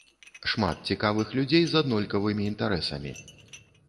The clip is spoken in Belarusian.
Шмат цікавых людзей з аднолькавымі інтарэсамі.